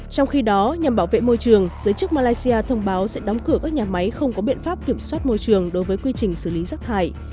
trong khi đó nhằm bảo vệ môi trường giới chức malaysia thông báo sẽ đóng cửa các nhà máy không có biện pháp kiểm soát môi trường đối với quy trình xử lý rác thải